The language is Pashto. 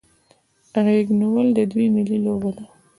غیږ نیول د دوی ملي لوبه ده.